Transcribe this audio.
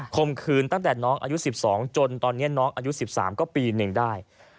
คมคืนตั้งแต่น้องอายุ๑๒จนตอนนี้น้องอายุ๑๓ก็ปีหนึ่งได้